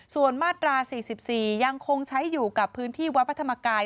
ส่วนมาตรา๔๔ยังคงใช้อยู่กับพื้นที่วัดพระธรรมกาย